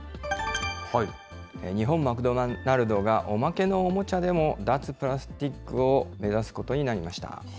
日本マクドナルドが、おまけのおもちゃでも、脱プラスチックを目指すことになりました。